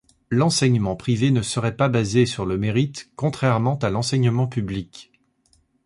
L'enseignement privé ne serait pas basé sur le mérite contrairement à l'enseignement public.